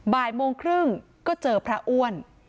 บ่ายโมงครึ่งก็เจอพระอ้วน